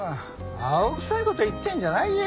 青臭い事言ってんじゃないよ。